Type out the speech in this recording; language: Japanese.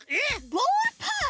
ボールパス！